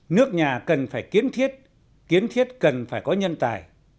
nước nhà cần phải kiến thiết kiến thiết cần phải có nhân tài